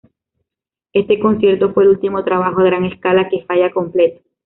Este concierto fue el último trabajo a gran escala que Falla completó.